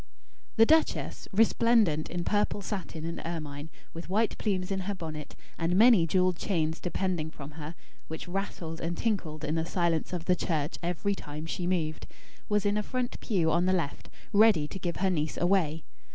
The duchess resplendent in purple satin and ermine, with white plumes in her bonnet, and many jewelled chains depending from her, which rattled and tinkled, in the silence of the church, every time she moved was in a front pew on the left, ready to give her niece away.